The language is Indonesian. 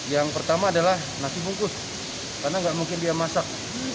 yang pertama adalah nasi bungkus karena nggak mungkin dia masak